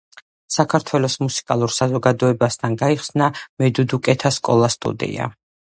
საქართველოს მუსიკალურ საზოგადოებასთან გაიხსნა მედუდუკეთა სკოლა-სტუდია.